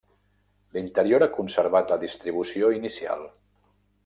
L'interior ha conservat la distribució inicial.